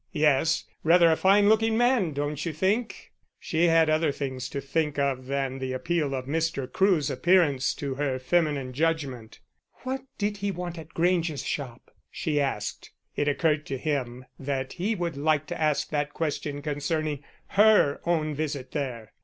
"Yes. Rather a fine looking man, don't you think?" She had other things to think of than the appeal of Mr. Crewe's appearance to her feminine judgment. "What did he want at Grange's shop?" she asked. It occurred to him that he would like to ask that question concerning her own visit there.